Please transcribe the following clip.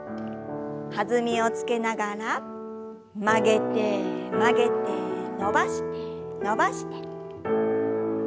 弾みをつけながら曲げて曲げて伸ばして伸ばして。